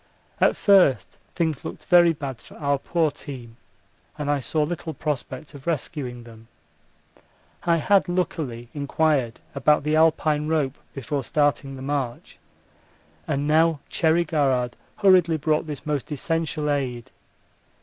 At first things looked very bad for our poor team, and I saw little prospect of rescuing them. I had luckily inquired about the Alpine rope before starting the march, and now Cherry Garrard hurriedly brought this most essential aid.